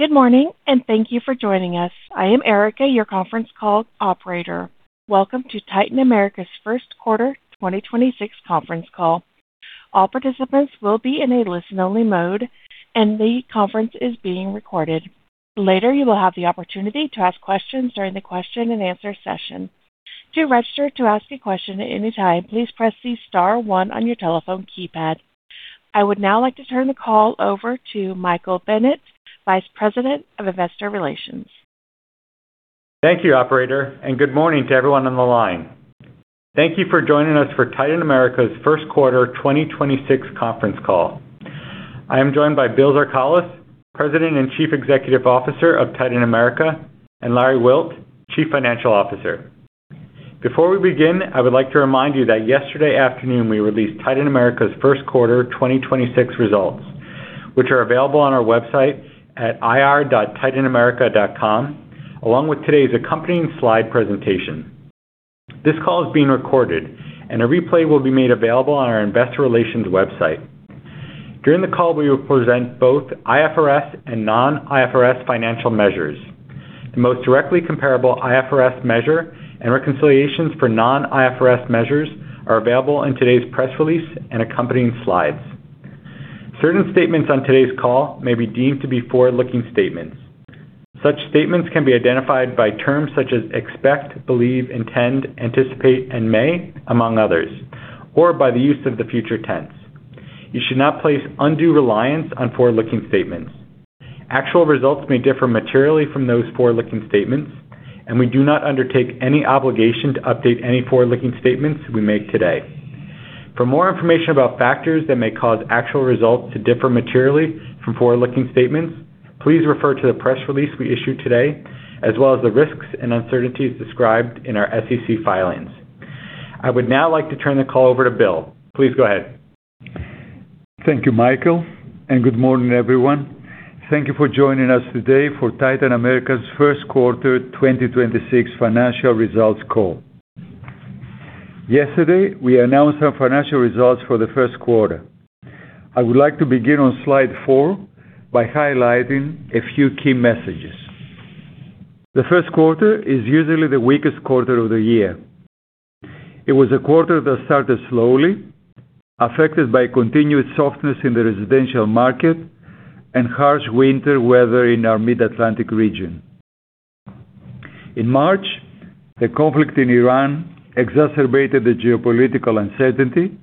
Good morning. Thank you for joining us. I am Erica, your conference call operator. Welcome to Titan America's Q1 2026 conference call. All participants will be in a listen-only mode. The conference is being recorded. Later, you will have the opportunity to ask questions during the question-and-answer session. To register to ask a question at any time, please press the star 1 on your telephone keypad. I would now like to turn the call over to Michael Bennett, Vice President of Investor Relations. Thank you, operator, and good morning to everyone on the line. Thank you for joining us for Titan America's Q1 2026 conference call. I am joined by Bill Zarkalis, President and Chief Executive Officer of Titan America, and Larry Wilt, Chief Financial Officer. Before we begin, I would like to remind you that yesterday afternoon we released Titan America's Q1 2026 results, which are available on our website at ir.titanamerica.com, along with today's accompanying slide presentation. This call is being recorded, and a replay will be made available on our investor relations website. During the call, we will present both IFRS and non-IFRS financial measures. The most directly comparable IFRS measure and reconciliations for non-IFRS measures are available in today's press release and accompanying slides. Certain statements on today's call may be deemed to be forward-looking statements. Such statements can be identified by terms such as expect, believe, intend, anticipate, and may, among others, or by the use of the future tense. You should not place undue reliance on forward-looking statements. Actual results may differ materially from those forward-looking statements, and we do not undertake any obligation to update any forward-looking statements we make today. For more information about factors that may cause actual results to differ materially from forward-looking statements, please refer to the press release we issued today, as well as the risks and uncertainties described in our SEC filings. I would now like to turn the call over to Bill. Please go ahead. Thank you, Michael, good morning, everyone. Thank you for joining us today for Titan America's Q1 2026 financial results call. Yesterday, we announced our financial results for the Q1. I would like to begin on slide 4 by highlighting a few key messages. The Q1 is usually the weakest quarter of the year. It was a quarter that started slowly, affected by continued softness in the residential market and harsh winter weather in our Mid-Atlantic region. In March, the conflict in Iran exacerbated the geopolitical uncertainty,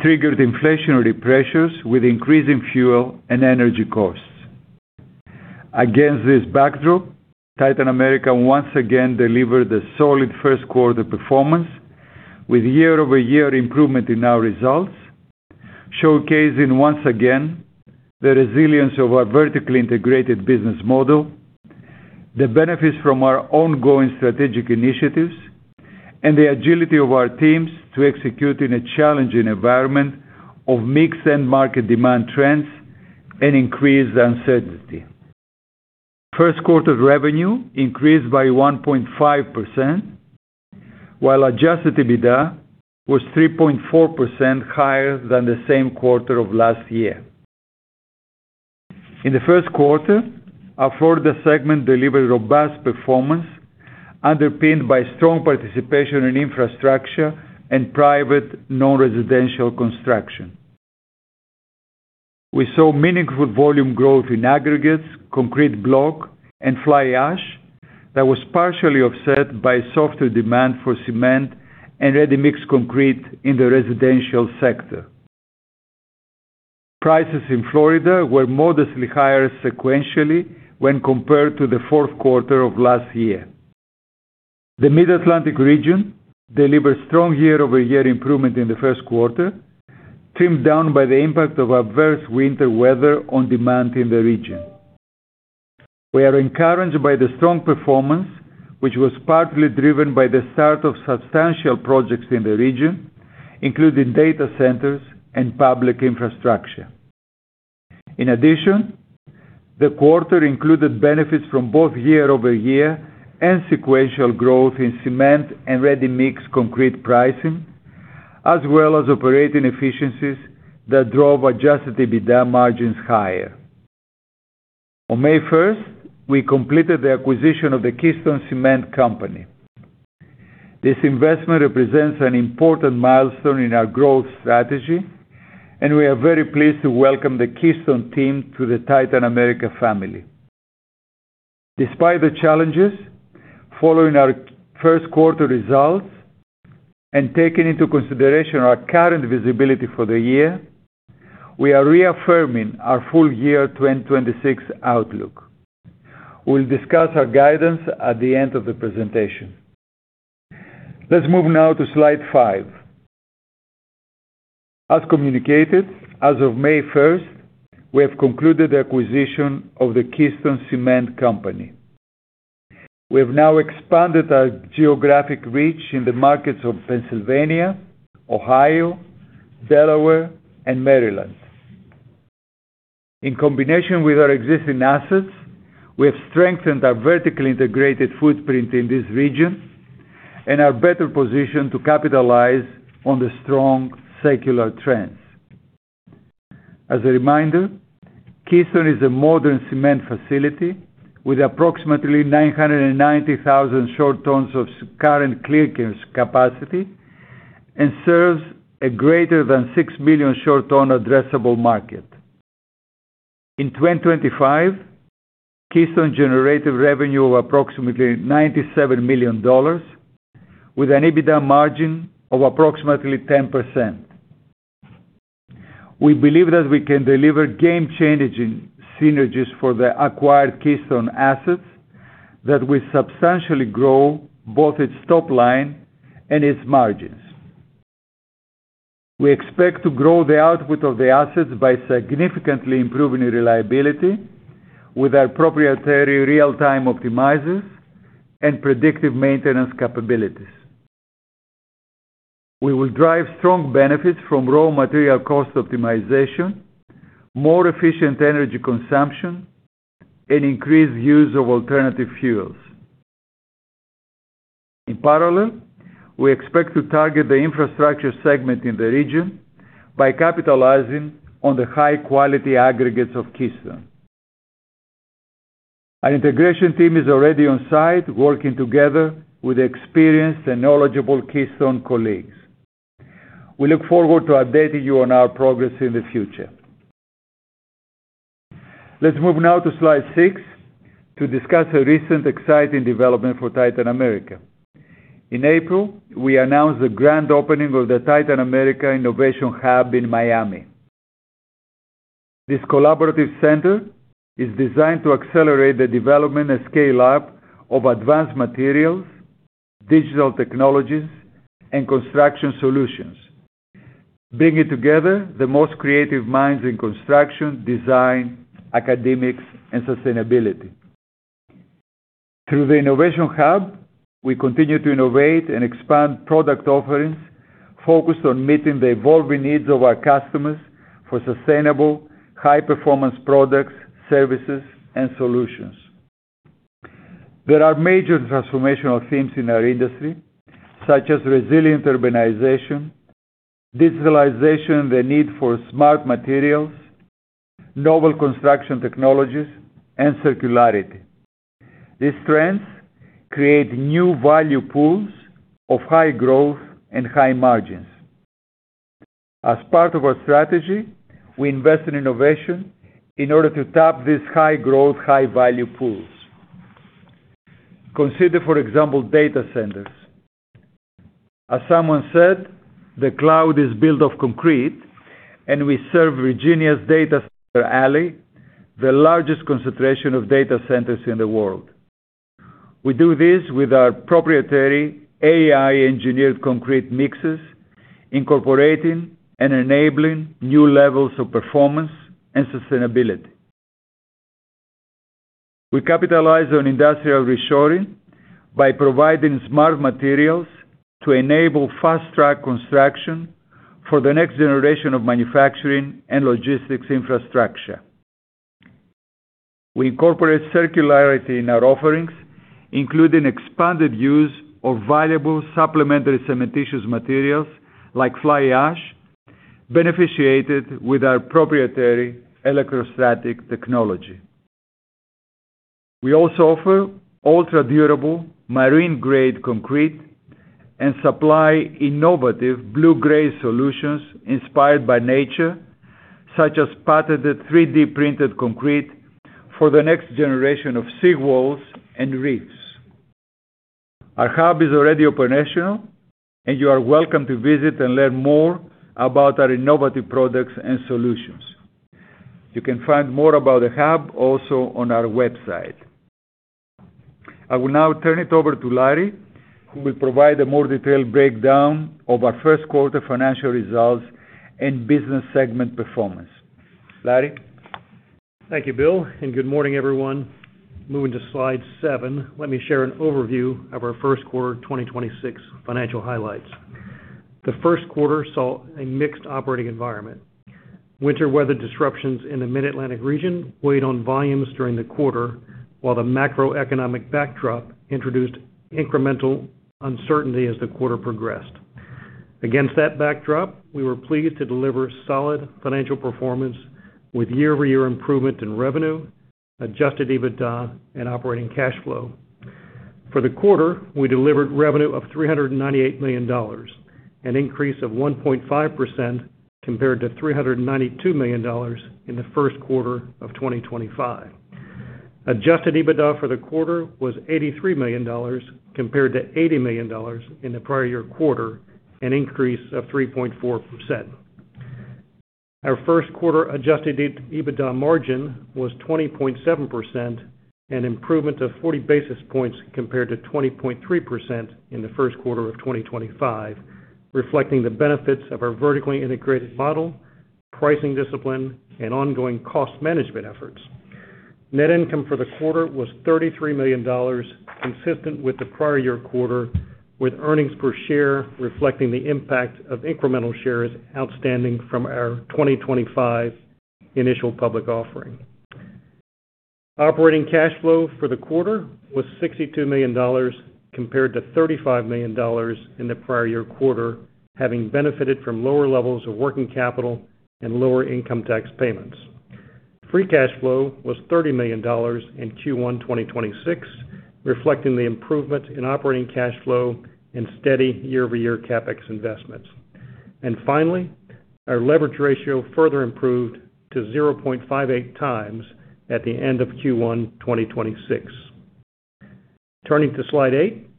triggered inflationary pressures with increasing fuel and energy costs. Against this backdrop, Titan America once again delivered a solid Q1 performance with year-over-year improvement in our results, showcasing once again the resilience of our vertically integrated business model, the benefits from our ongoing strategic initiatives, and the agility of our teams to execute in a challenging environment of mixed end-market demand trends and increased uncertainty. Q1 revenue increased by 1.5%, while adjusted EBITDA was 3.4% higher than the same quarter of last year. In the first quarter, our Florida segment delivered robust performance underpinned by strong participation in infrastructure and private non-residential construction. We saw meaningful volume growth in aggregates, concrete block, and fly ash that was partially offset by softer demand for cement and ready-mix concrete in the residential sector. Prices in Florida were modestly higher sequentially when compared to Q4 of last year. The Mid-Atlantic region delivered strong year-over-year improvement in the Q1 trimmed down by the impact of adverse winter weather on demand in the region. We are encouraged by the strong performance, which was partly driven by the start of substantial projects in the region, including data centers and public infrastructure. In addition, the quarter included benefits from both year-over-year and sequential growth in cement and ready-mix concrete pricing, as well as operating efficiencies that drove adjusted EBITDA margins higher. On May first, we completed the acquisition of the Keystone Cement Company. This investment represents an important milestone in our growth strategy, and we are very pleased to welcome the Keystone team to the Titan America family. Despite the challenges following our Q1 results and taking into consideration our current visibility for the year, we are reaffirming our full year 2026 outlook. We'll discuss our guidance at the end of the presentation. Let's move now to slide 5. As communicated, as of May 1, we have concluded the acquisition of the Keystone Cement Company. We have now expanded our geographic reach in the markets of Pennsylvania, Ohio, Delaware, and Maryland. In combination with our existing assets, we have strengthened our vertically integrated footprint in this region and are better positioned to capitalize on the strong secular trends. As a reminder, Keystone is a modern cement facility with approximately 990,000 short tons of current clinker capacity and serves a greater than 6 million short ton addressable market. In 2025, Keystone generated revenue of approximately $97 million with an EBITDA margin of approximately 10%. We believe that we can deliver game-changing synergies for the acquired Keystone assets that will substantially grow both its top line and its margins. We expect to grow the output of the assets by significantly improving reliability with our proprietary real-time optimizers and predictive maintenance capabilities. We will drive strong benefits from raw material cost optimization, more efficient energy consumption, and increased use of alternative fuels. In parallel, we expect to target the infrastructure segment in the region by capitalizing on the high-quality aggregates of Keystone. Our integration team is already on site working together with experienced and knowledgeable Keystone colleagues. We look forward to updating you on our progress in the future. Let's move now to slide 6 to discuss a recent exciting development for Titan America. In April, we announced the grand opening of the Titan America Innovation Hub in Miami. This collaborative center is designed to accelerate the development and scale-up of advanced materials, digital technologies, and construction solutions, bringing together the most creative minds in construction, design, academics, and sustainability. Through the Innovation Hub, we continue to innovate and expand product offerings focused on meeting the evolving needs of our customers for sustainable high-performance products, services, and solutions. There are major transformational themes in our industry, such as resilient urbanization, digitalization, the need for smart materials, novel construction technologies, and circularity. These trends create new value pools of high growth and high margins. As part of our strategy, we invest in innovation in order to tap these high-growth, high-value pools. Consider, for example, data centers. As someone said, the cloud is built of concrete, and we serve Virginia's Data Center Alley, the largest concentration of data centers in the world. We do this with our proprietary AI-engineered concrete mixes, incorporating and enabling new levels of performance and sustainability. We capitalize on industrial reshoring by providing smart materials to enable fast-track construction for the next generation of manufacturing and logistics infrastructure. We incorporate circularity in our offerings, including expanded use of valuable supplementary cementitious materials like fly ash, beneficiated with our proprietary electrostatic technology. We also offer ultra-durable marine-grade concrete and supply innovative blue-gray solutions inspired by nature, such as patented 3D-printed concrete for the next generation of sea walls and reefs. Our hub is already operational, and you are welcome to visit and learn more about our innovative products and solutions. You can find more about the hub also on our website. I will now turn it over to Larry, who will provide a more detailed breakdown of our first quarter financial results and business segment performance. Larry? Thank you, Bill, and good morning, everyone. Moving to slide 7, let me share an overview of our Q1 2026 financial highlights. The Q1 saw a mixed operating environment. Winter weather disruptions in the Mid-Atlantic region weighed on volumes during the quarter, while the macroeconomic backdrop introduced incremental uncertainty as the quarter progressed. Against that backdrop, we were pleased to deliver solid financial performance with year-over-year improvement in revenue, adjusted EBITDA, and operating cash flow. For the quarter, we delivered revenue of $398 million, an increase of 1.5% compared to $392 million in Q1 of 2025. Adjusted EBITDA for the quarter was $83 million compared to $80 million in the prior year quarter, an increase of 3.4%. Our Q1 adjusted EBITDA margin was 20.7%, an improvement of 40 basis points compared to 20.3% in the first quarter of 2025, reflecting the benefits of our vertically integrated model, pricing discipline, and ongoing cost management efforts. Net income for the quarter was $33 million, consistent with the prior year quarter, with earnings per share reflecting the impact of incremental shares outstanding from our 2025 initial public offering. Operating cash flow for the quarter was $62 million compared to $35 million in the prior year quarter, having benefited from lower levels of working capital and lower income tax payments. Free cash flow was $30 million in Q1 2026, reflecting the improvement in operating cash flow and steady year-over-year CapEx investments. Finally, our leverage ratio further improved to 0.58 times at the end of Q1 2026. Turning to slide eight,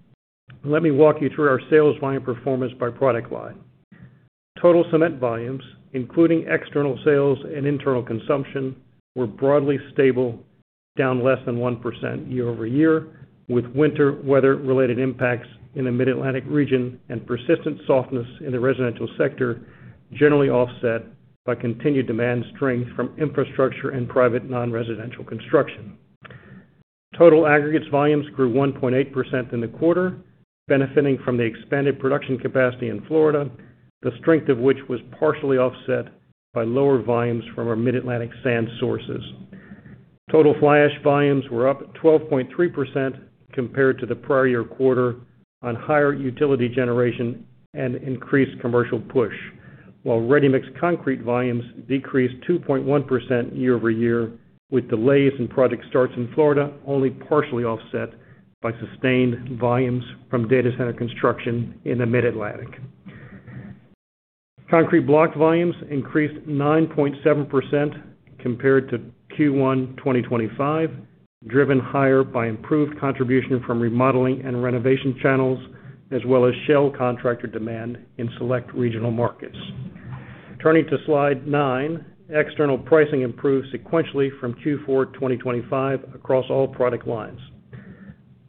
let me walk you through our sales volume performance by product line. Total cement volumes, including external sales and internal consumption, were broadly stable, down less than 1% year-over-year, with winter weather-related impacts in the Mid-Atlantic region and persistent softness in the residential sector generally offset by continued demand strength from infrastructure and private non-residential construction. Total aggregates volumes grew 1.8% in the quarter, benefiting from the expanded production capacity in Florida, the strength of which was partially offset by lower volumes from our Mid-Atlantic sand sources. Total fly ash volumes were up 12.3% compared to the prior year quarter on higher utility generation and increased commercial push, while ready-mix concrete volumes decreased 2.1% year-over-year, with delays in project starts in Florida only partially offset by sustained volumes from data center construction in the Mid-Atlantic. concrete block volumes increased 9.7% compared to Q1 2025, driven higher by improved contribution from remodeling and renovation channels, as well as shell contractor demand in select regional markets. Turning to slide 9, external pricing improved sequentially from Q4 2025 across all product lines.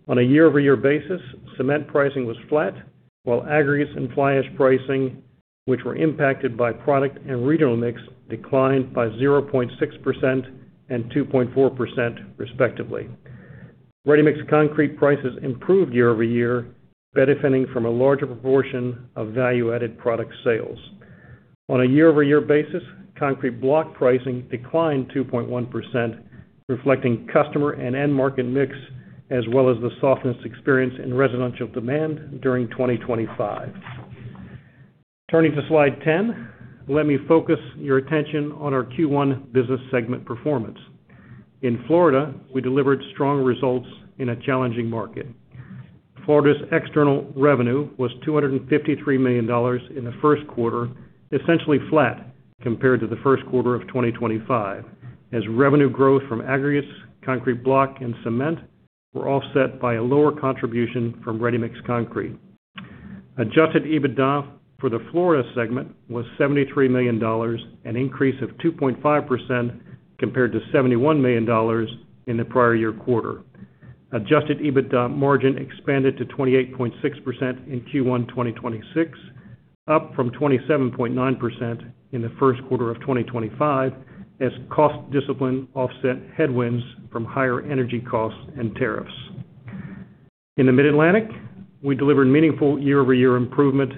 On a year-over-year basis, cement pricing was flat, while aggregates and fly ash pricing, which were impacted by product and regional mix, declined by 0.6% and 2.4% respectively. ready-mix concrete prices improved year-over-year, benefiting from a larger proportion of value-added product sales. On a year-over-year basis, concrete block pricing declined 2.1%, reflecting customer and end market mix, as well as the softness experienced in residential demand during 2025. Turning to slide 10, let me focus your attention on our Q1 business segment performance. In Florida, we delivered strong results in a challenging market. Florida's external revenue was $253 million in Q1, essentially flat compared to the first quarter of 2025, as revenue growth from aggregates, concrete block, and cement were offset by a lower contribution from ready-mix concrete. Adjusted EBITDA for the Florida segment was $73 million, an increase of 2.5% compared to $71 million in the prior year quarter. Adjusted EBITDA margin expanded to 28.6% in Q1 2026, up from 27.9% in Q1 of 2025, as cost discipline offset headwinds from higher energy costs and tariffs. In the Mid-Atlantic, we delivered meaningful year-over-year improvement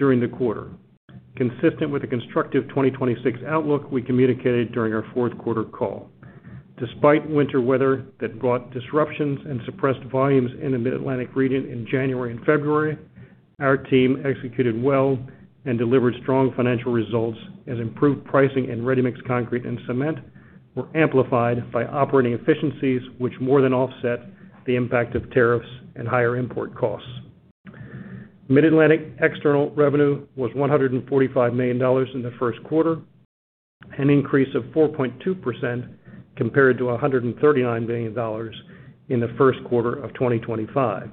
during the quarter. Consistent with the constructive 2026 outlook we communicated during our Q4 call. Despite winter weather that brought disruptions and suppressed volumes in the Mid-Atlantic region in January and February, our team executed well and delivered strong financial results as improved pricing in ready-mix concrete and cement were amplified by operating efficiencies which more than offset the impact of tariffs and higher import costs. Mid-Atlantic external revenue was $145 million in Q1, an increase of 4.2% compared to $139 million in Q1 of 2025.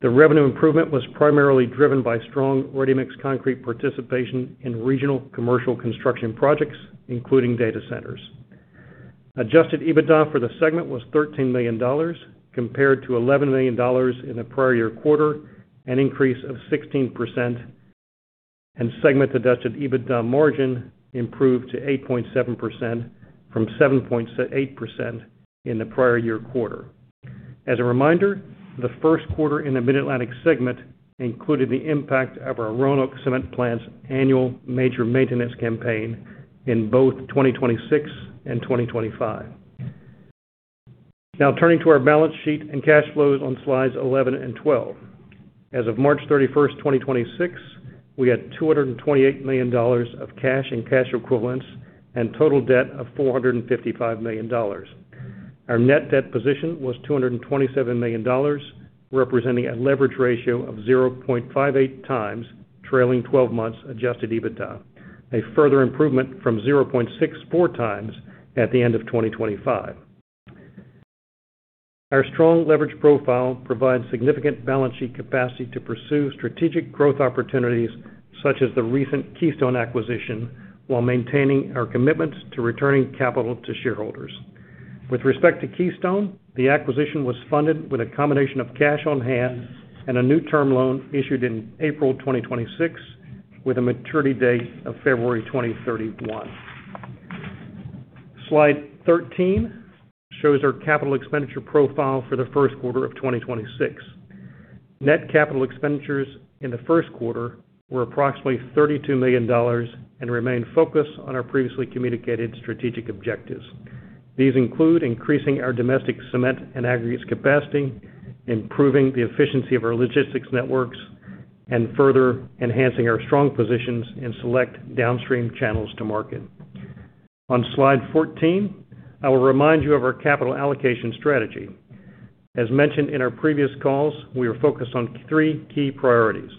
The revenue improvement was primarily driven by strong ready-mix concrete participation in regional commercial construction projects, including data centers. Adjusted EBITDA for the segment was $13 million compared to $11 million in the prior year quarter, an increase of 16%, and segment-adjusted EBITDA margin improved to 8.7% from 7.8% in the prior year quarter. As a reminder, the Q1 in the Mid-Atlantic segment included the impact of our Roanoke Cement plant's annual major maintenance campaign in both 2026 and 2025. Now turning to our balance sheet and cash flows on slides 11 and 12. As of March 31st, 2026, we had $228 million of cash and cash equivalents and total debt of $455 million. Our net debt position was $227 million, representing a leverage ratio of 0.58 times trailing 12 months adjusted EBITDA, a further improvement from 0.64 times at the end of 2025. Our strong leverage profile provides significant balance sheet capacity to pursue strategic growth opportunities, such as the recent Keystone acquisition, while maintaining our commitment to returning capital to shareholders. With respect to Keystone, the acquisition was funded with a combination of cash on hand and a new term loan issued in April 2026 with a maturity date of February 2031. Slide 13 shows our capital expenditure profile for Q1 of 2026. Net capital expenditures in the Q1 were approximately $32 million and remain focused on our previously communicated strategic objectives. These include increasing our domestic cement and aggregates capacity, improving the efficiency of our logistics networks, and further enhancing our strong positions in select downstream channels to market. On slide 14, I will remind you of our capital allocation strategy. As mentioned in our previous calls, we are focused on 3 key priorities: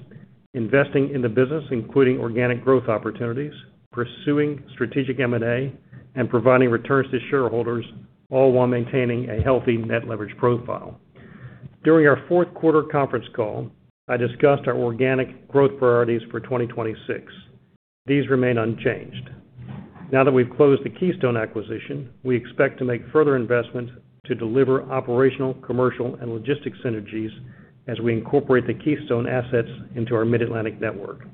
investing in the business, including organic growth opportunities, pursuing strategic M&A, and providing returns to shareholders, all while maintaining a healthy net leverage profile. During our Q4 conference call, I discussed our organic growth priorities for 2026. These remain unchanged. Now that we've closed the Keystone acquisition, we expect to make further investment to deliver operational, commercial, and logistics synergies as we incorporate the Keystone assets into our Mid-Atlantic network.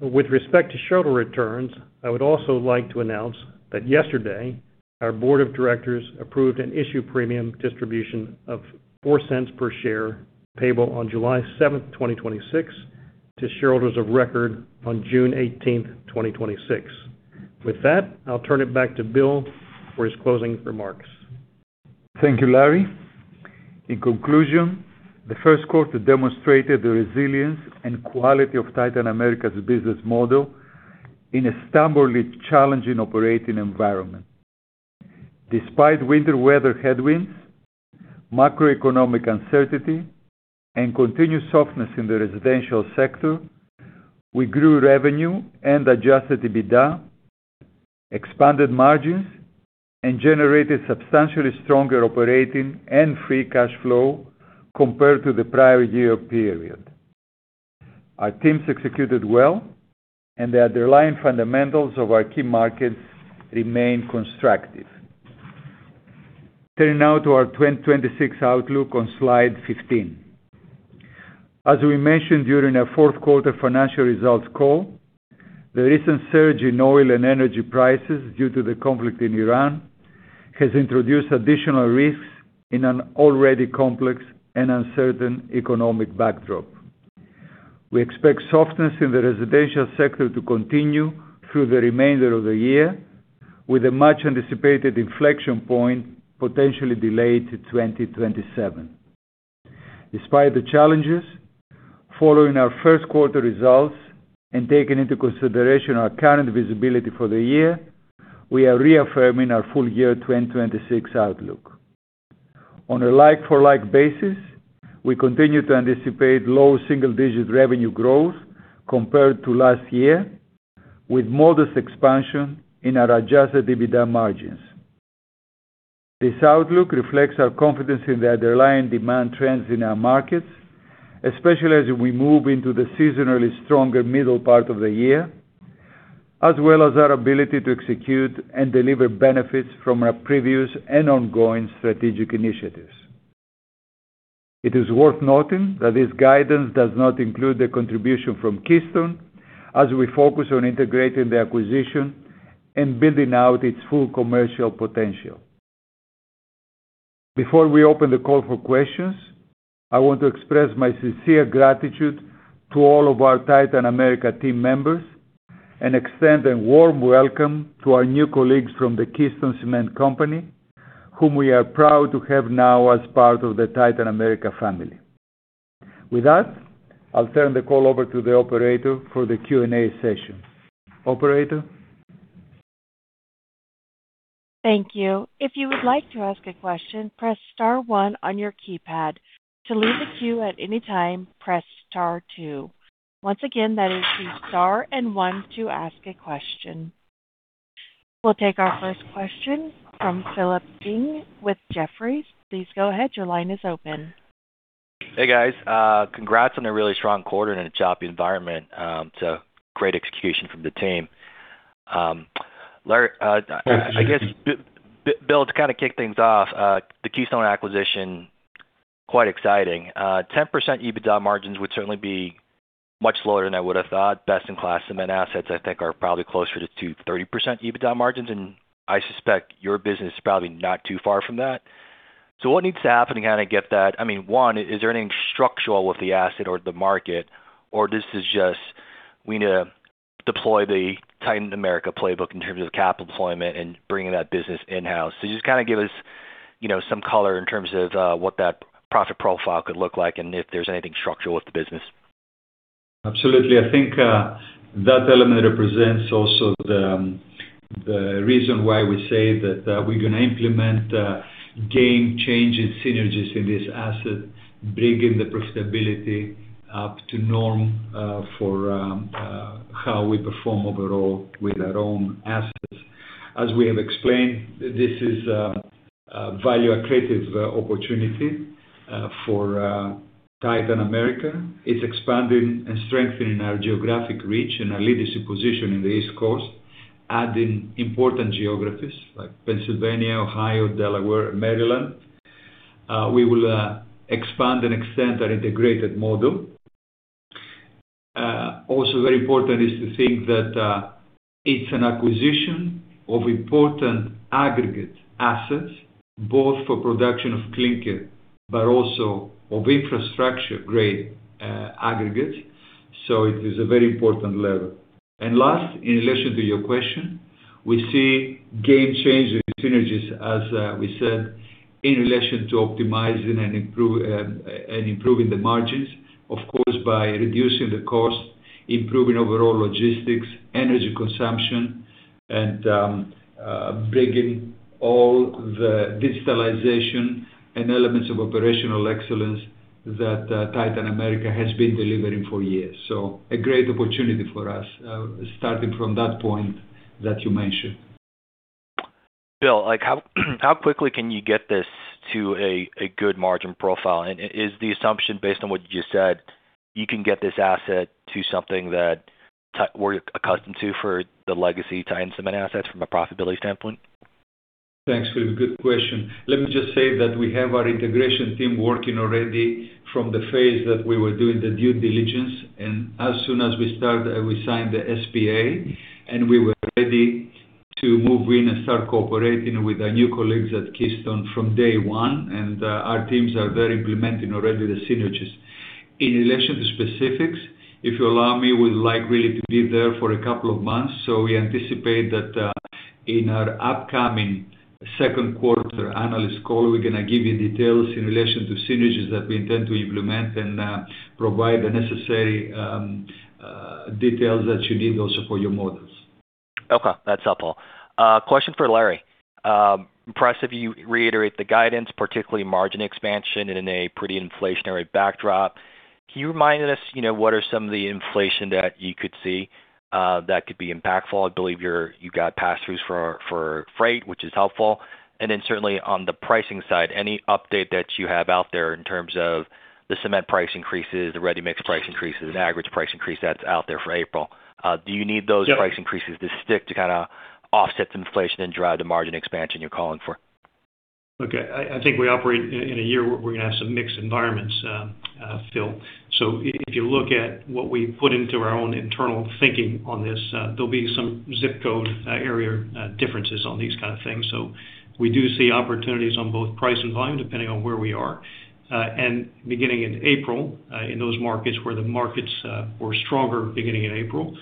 With respect to shareholder returns, I would also like to announce that yesterday our board of directors approved an issue premium distribution of $0.04 per share, payable on July 7, 2026 to shareholders of record on June 18, 2026. With that, I'll turn it back to Bill for his closing remarks. Thank you, Larry. In conclusion, Q1 demonstrated the resilience and quality of Titan America's business model in a stubbornly challenging operating environment. Despite winter weather headwinds, macroeconomic uncertainty, and continued softness in the residential sector, we grew revenue and adjusted EBITDA, expanded margins, and generated substantially stronger operating and free cash flow compared to the prior year period. The underlying fundamentals of our key markets remain constructive. Turning now to our 2026 outlook on slide 15. As we mentioned during our fourth quarter financial results call, the recent surge in oil and energy prices due to the conflict in Iran has introduced additional risks in an already complex and uncertain economic backdrop. We expect softness in the residential sector to continue through the remainder of the year, with a much-anticipated inflection point potentially delayed to 2027. Despite the challenges, following our Q1 results and taking into consideration our current visibility for the year, we are reaffirming our full year 2026 outlook. On a like-for-like basis, we continue to anticipate low single-digit revenue growth compared to last year, with modest expansion in our adjusted EBITDA margins. This outlook reflects our confidence in the underlying demand trends in our markets, especially as we move into the seasonally stronger middle part of the year, as well as our ability to execute and deliver benefits from our previous and ongoing strategic initiatives. It is worth noting that this guidance does not include the contribution from Keystone as we focus on integrating the acquisition and building out its full commercial potential. Before we open the call for questions, I want to express my sincere gratitude to all of our Titan America team members and extend a warm welcome to our new colleagues from the Keystone Cement Company, whom we are proud to have now as part of the Titan America family. With that, I'll turn the call over to the operator for the Q&A session. Operator? Thank you. If you would like to ask a question press star one in your keypad, to leave the queue at any time press star two. Once again, that is star and then one to ask a question. Thank you. We'll take our first question from Philip Ng with Jefferies. Please go ahead. Your line is open. Hey, guys. Congrats on a really strong quarter in a choppy environment. Great execution from the team. Bill, to kind of kick things off, the Keystone acquisition, quite exciting. 10% EBITDA margins would certainly be much lower than I would have thought. Best-in-class cement assets I think are probably closer to 30% EBITDA margins. I suspect your business is probably not too far from that. What needs to happen to kind of get that? I mean, 1, is there anything structural with the asset or the market, or this is just we need to deploy the Titan America playbook in terms of capital deployment and bringing that business in-house? Just kind of give us, you know, some color in terms of what that profit profile could look like and if there's anything structural with the business. Absolutely. I think that element represents also the reason why we say that we're gonna implement game-changing synergies in this asset, bringing the profitability up to norm for how we perform overall with our own assets. As we have explained, this is a value-accretive opportunity for Titan America. It's expanding and strengthening our geographic reach and our leadership position in the East Coast, adding important geographies like Pennsylvania, Ohio, Delaware, Maryland. We will expand and extend our integrated model. Very important is to think that it's an acquisition of important aggregate assets, both for production of clinker, but also of infrastructure grade aggregate. It is a very important level. Last, in relation to your question, we see game-changing synergies, as we said, in relation to optimizing and improving the margins, of course, by reducing the cost, improving overall logistics, energy consumption, and bringing all the digitalization and elements of operational excellence that Titan America has been delivering for years. A great opportunity for us, starting from that point that you mentioned. Bill, like how quickly can you get this to a good margin profile? Is the assumption based on what you just said, you can get this asset to something that Titan we're accustomed to for the legacy Titan Cement assets from a profitability standpoint? Thanks, Phil. Good question. Let me just say that we have our integration team working already from the phase that we were doing the due diligence. As soon as we signed the SPA, and we were ready to move in and start cooperating with our new colleagues at Keystone from day one. Our teams are very implementing already the synergies. In relation to specifics, if you allow me, we'd like really to be there for a couple of months. We anticipate that in our upcoming second quarter analyst call, we're gonna give you details in relation to synergies that we intend to implement and provide the necessary details that you need also for your models. Okay. That's helpful. Question for Larry. Impressed if you reiterate the guidance, particularly margin expansion in a pretty inflationary backdrop. Can you remind us, you know, what are some of the inflation that you could see that could be impactful? I believe you got pass-throughs for freight, which is helpful. Certainly on the pricing side, any update that you have out there in terms of the cement price increases, the ready-mix price increases, the aggregates price increase that's out there for April? Do you need those price increases to kind of offset the inflation and drive the margin expansion you're calling for? Okay. I think we operate in a year where we're gonna have some mixed environments, Phil. If you look at what we put into our own internal thinking on this, there'll be some zip code, area, differences on these kind of things. We do see opportunities on both price and volume, depending on where we are. Beginning in April, in those markets where the markets were stronger beginning in April,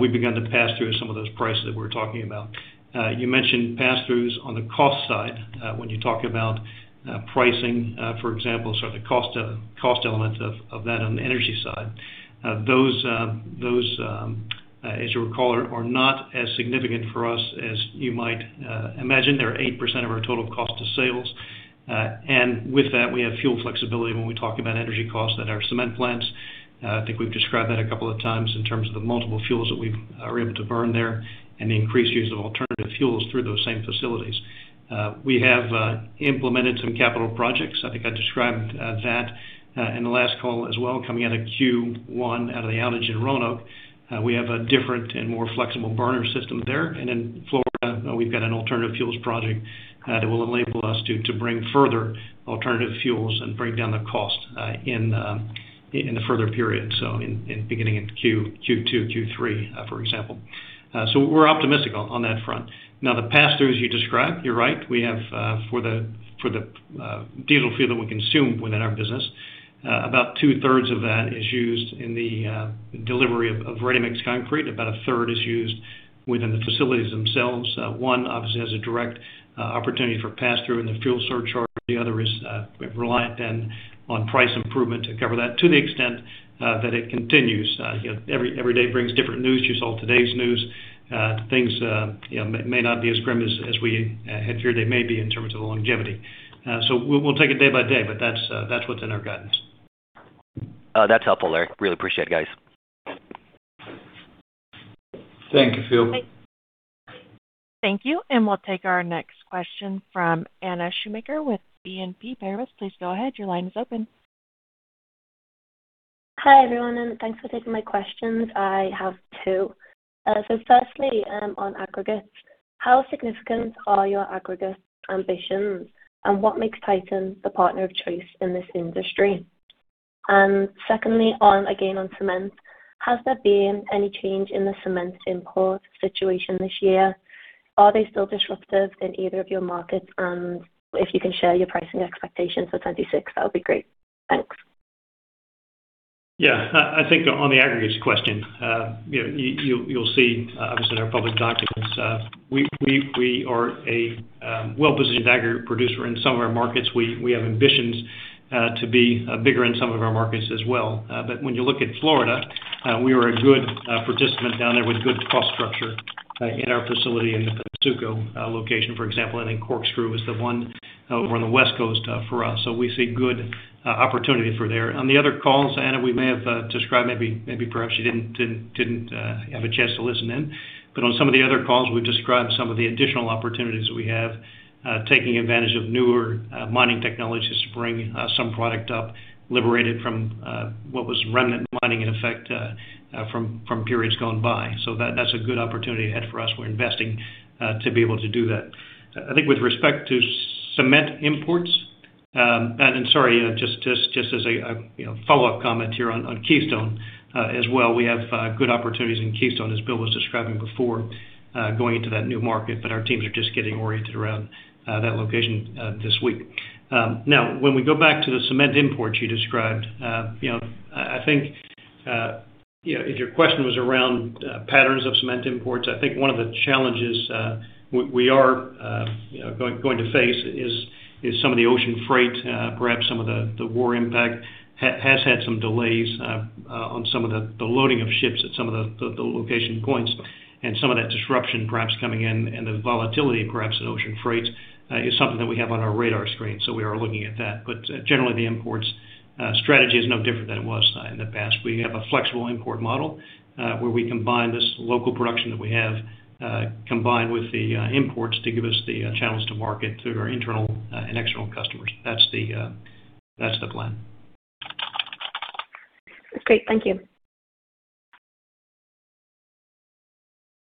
we began to pass through some of those prices that we're talking about. You mentioned pass-throughs on the cost side, when you talk about pricing, for example, so the cost element of that on the energy side. Those, those, as you recall, are not as significant for us as you might imagine. They're 8% of our total cost of sales. With that, we have fuel flexibility when we talk about energy costs at our cement plants. I think we've described that a couple of times in terms of the multiple fuels that we are able to burn there and the increased use of alternative fuels through those same facilities. We have implemented some capital projects. I think I described that in the last call as well, coming out of Q1, out of the outage in Roanoke. We have a different and more flexible burner system there. In Florida, we've got an alternative fuels project that will enable us to bring further alternative fuels and bring down the cost in the further period. Beginning in Q2, Q3, for example. We're optimistic on that front. The pass-through, as you described, you're right. We have for the diesel fuel that we consume within our business, about 2/3 of that is used in the delivery of ready-mix concrete. About 1/3 is used within the facilities themselves. 1 obviously has a direct opportunity for pass-through in the fuel surcharge. The other is reliant on price improvement to cover that to the extent that it continues. You know, every day brings different news. You saw today's news. Things, you know, may not be as grim as we had feared they may be in terms of the longevity. We'll take it day by day, but that's what's in our guidance. Oh, that's helpful, Larry. Really appreciate it, guys. Thank you, Phil. Thank you. We'll take our next question from Anna Schumacher with BNP Paribas. Please go ahead. Your line is open. Hi, everyone, and thanks for taking my questions. I have two. Firstly, on aggregates. How significant are your aggregates ambitions, and what makes Titan the partner of choice in this industry? Secondly, on, again, on cement. Has there been any change in the cement import situation this year? Are they still disruptive in either of your markets? If you can share your pricing expectations for 26, that would be great. Thanks. Yeah. I think on the aggregates question, you know, you'll see, obviously in our public documents, we are a well-positioned aggregate producer in some of our markets. We have ambitions to be bigger in some of our markets as well. When you look at Florida, we are a good participant down there with good cost structure in our facility in the Pennsuco location, for example, and in Corkscrew is the one over on the West Coast for us. We see good opportunity for there. On the other calls, Anna, we may have described, maybe perhaps you didn't have a chance to listen in. On some of the other calls, we've described some of the additional opportunities that we have, taking advantage of newer mining technologies to bring some product up liberated from what was remnant mining in effect, from periods gone by. That's a good opportunity ahead for us. We're investing to be able to do that. I think with respect to cement imports, just as a, you know, follow-up comment here on Keystone as well. We have good opportunities in Keystone, as Bill was describing before, going into that new market, but our teams are just getting oriented around that location this week. Now when we go back to the cement imports you described, if your question was around patterns of cement imports, I think one of the challenges we are going to face is some of the ocean freight, perhaps some of the war impact has had some delays on some of the loading of ships at some of the location points. Some of that disruption perhaps coming in and the volatility perhaps in ocean freights is something that we have on our radar screen. We are looking at that. Generally, the imports strategy is no different than it was in the past. We have a flexible import model, where we combine this local production that we have, combined with the imports to give us the channels to market through our internal and external customers. That's the plan. That's great. Thank you.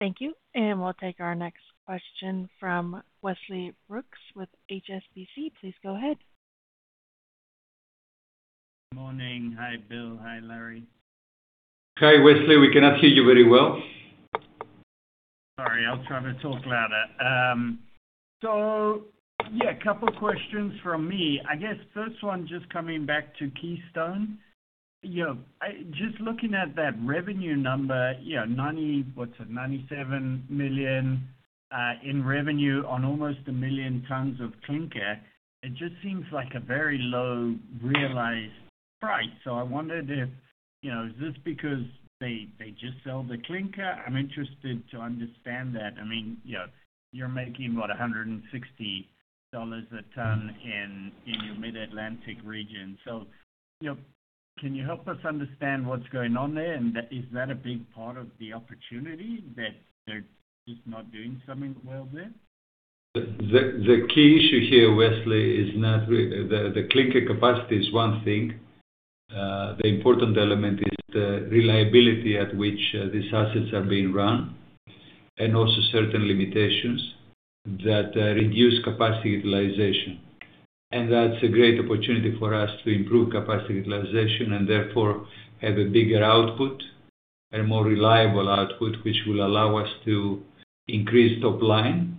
Thank you. We'll take our next question from Wesley Brooks with HSBC. Please go ahead. Morning. Hi, Bill. Hi, Larry. Hi, Wesley. We cannot hear you very well. Sorry, I'll try to talk louder. Yeah, a couple questions from me. I guess first one, just coming back to Keystone. You know, just looking at that revenue number, you know, $97 million in revenue on almost 1 million tons of clinker. It just seems like a very low realized price. I wondered if, you know, is this because they just sell the clinker? I'm interested to understand that. I mean, you know, you're making about $160 a ton in your Mid-Atlantic region. You know, can you help us understand what's going on there? Is that a big part of the opportunity that they're just not doing something well there? The key issue here, Wesley, is not really the clinker capacity is one thing. The important element is the reliability at which these assets are being run, and also certain limitations that reduce capacity utilization. That's a great opportunity for us to improve capacity utilization and therefore have a bigger output and a more reliable output, which will allow us to increase top line.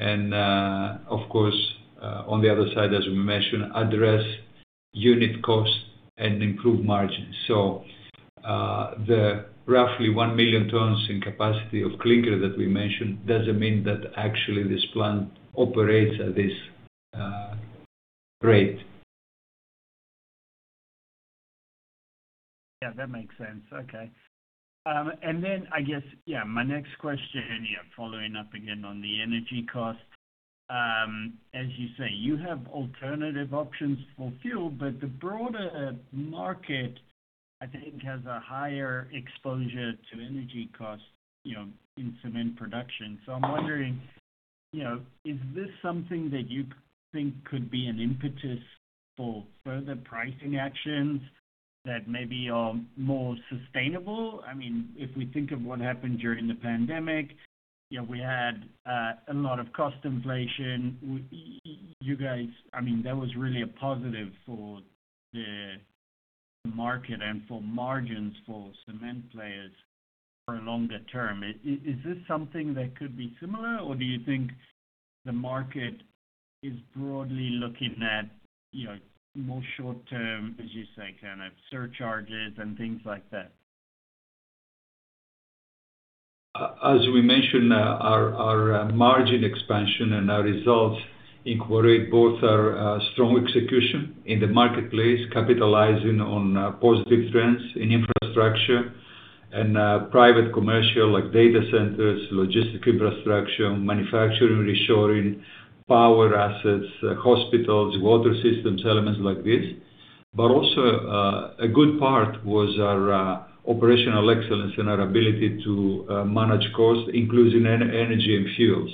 Of course, on the other side, as we mentioned, address unit cost and improve margins. The roughly 1 million tons in capacity of clinker that we mentioned doesn't mean that actually this plant operates at this rate. Yeah, that makes sense. Okay. I guess, yeah, my next question here, following up again on the energy cost. As you say, you have alternative options for fuel, but the broader market, I think, has a higher exposure to energy costs, you know, in cement production. I'm wondering, you know, is this something that you think could be an impetus for further pricing actions that maybe are more sustainable? I mean, if we think of what happened during the pandemic, you know, we had a lot of cost inflation. I mean, that was really a positive for the market and for margins for cement players for longer term. Is this something that could be similar, or do you think the market is broadly looking at, you know, more short term, as you say, kind of surcharges and things like that? As we mentioned, our margin expansion and our results incorporate both our strong execution in the marketplace, capitalizing on positive trends in infrastructure and private commercial like data centers, logistic infrastructure, manufacturing reshoring, power assets, hospitals, water systems, elements like this. Also, a good part was our operational excellence and our ability to manage costs, including energy and fuels.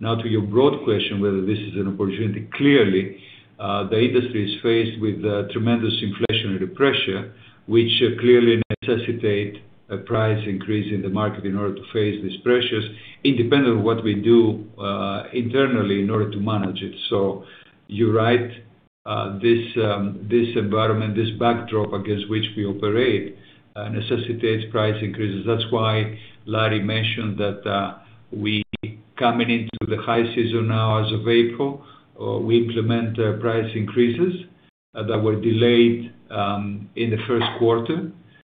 To your broad question, whether this is an opportunity. Clearly, the industry is faced with tremendous inflationary pressure, which clearly necessitate a price increase in the market in order to face these pressures, independent of what we do internally in order to manage it. You're right. This environment, this backdrop against which we operate, necessitates price increases. That's why Larry mentioned that, we coming into the high season now as of April, we implement price increases that were delayed in Q1,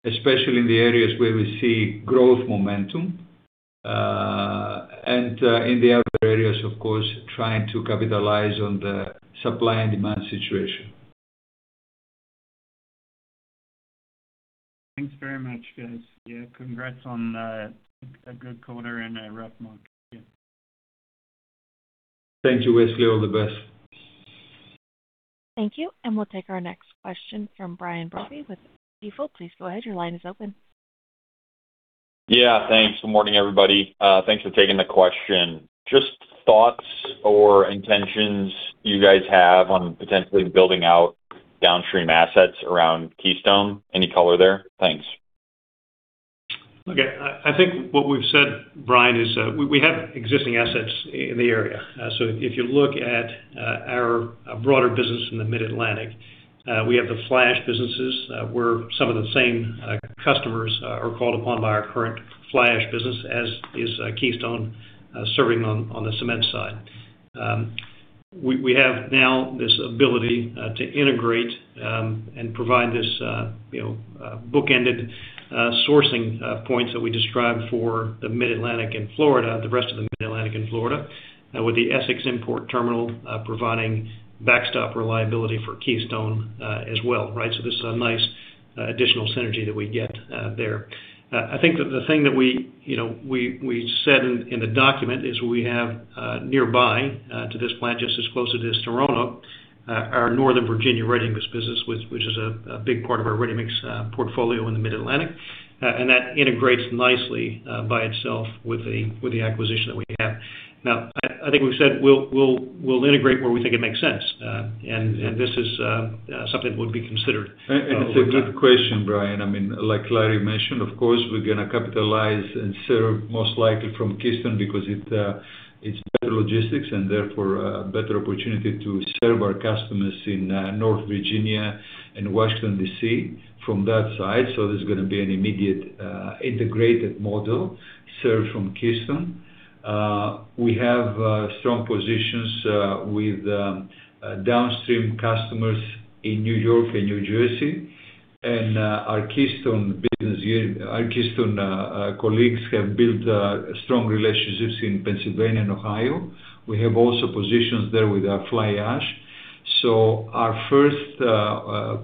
especially in the areas where we see growth momentum. In the other areas, of course, trying to capitalize on the supply and demand situation. Thanks very much, guys. Yeah, congrats on a good quarter and a rough month. Yeah. Thank you, Wesley. All the best. Thank you. We'll take our next question from Brian Brophy with Stifel. Yeah, thanks. Good morning, everybody. Thanks for taking the question. Just thoughts or intentions you guys have on potentially building out downstream assets around Keystone. Any color there? Thanks. Okay. I think what we've said, Brian, is we have existing assets in the area. If you look at our broader business in the Mid-Atlantic, we have the fly ash businesses, where some of the same customers are called upon by our current fly ash business as is Keystone serving on the cement side. We have now this ability to integrate and provide this, you know, bookended sourcing points that we described for the Mid-Atlantic and Florida, the rest of the Mid-Atlantic and Florida, with the Essex Import Terminal providing backstop reliability for Keystone as well, right? This is a nice additional synergy that we get there. I think the thing that we, you know, we said in the document is we have nearby to this plant just as close it is to Toronto, our Northern Virginia ready-mix business, which is a big part of our ready-mix portfolio in the Mid-Atlantic. That integrates nicely by itself with the acquisition that we have. Now, I think we've said we'll integrate where we think it makes sense. This is something that would be considered over time. It's a good question, Brian. I mean, like Larry mentioned, of course, we're gonna capitalize and serve most likely from Keystone because it's better logistics, and therefore a better opportunity to serve our customers in North Virginia and Washington, D.C. from that side. There's gonna be an immediate integrated model served from Keystone. We have strong positions with downstream customers in New York and New Jersey. Our Keystone colleagues have built strong relationships in Pennsylvania and Ohio. We have also positions there with our fly ash. Our first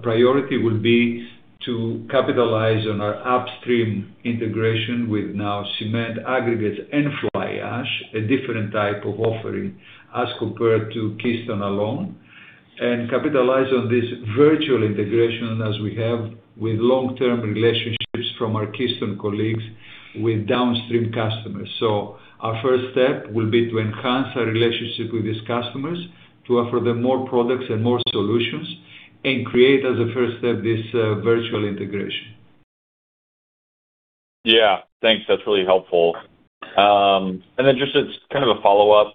priority will be to capitalize on our upstream integration with now cement aggregates and fly ash, a different type of offering as compared to Keystone alone, and capitalize on this virtual integration as we have with long-term relationships from our Keystone colleagues with downstream customers. Our first step will be to enhance our relationship with these customers to offer them more products and more solutions and create as a first step this virtual integration. Yeah. Thanks. That's really helpful. Just as kind of a follow-up,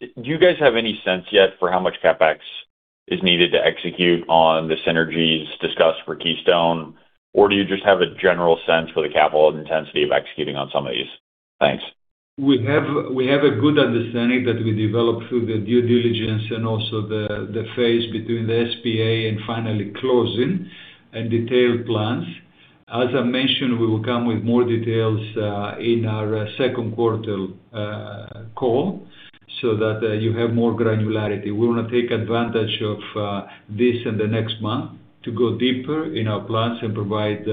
do you guys have any sense yet for how much CapEx is needed to execute on the synergies discussed for Keystone? Or do you just have a general sense for the capital intensity of executing on some of these? Thanks. We have a good understanding that we developed through the due diligence and also the phase between the SPA and finally closing and detailed plans. As I mentioned, we will come with more details in our Q2 call so that you have more granularity. We wanna take advantage of this and the next month to go deeper in our plans and provide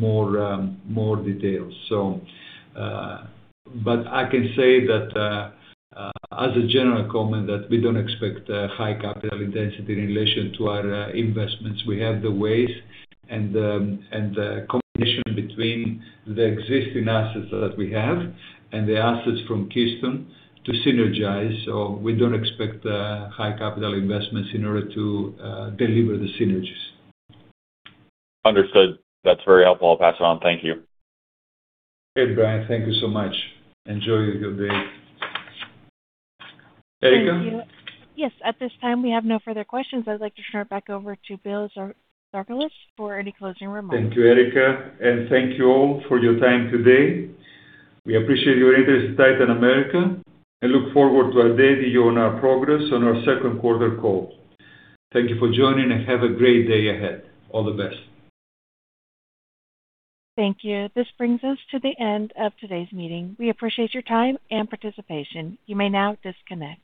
more details. I can say that as a general comment, that we don't expect a high capital intensity in relation to our investments. We have the ways and the combination between the existing assets that we have and the assets from Keystone to synergize. We don't expect high capital investments in order to deliver the synergies. Understood. That's very helpful. I'll pass it on. Thank you. Great, Brian. Thank you so much. Enjoy your good day. Erica? Thank you. Yes. At this time, we have no further questions. I'd like to turn it back over to Bill Zarkalis for any closing remarks. Thank you, Erica. Thank you all for your time today. We appreciate your interest in Titan America and look forward to updating you on our progress on our Q2 call. Thank you for joining, and have a great day ahead. All the best. Thank you. This brings us to the end of today's meeting. We appreciate your time and participation. You may now disconnect.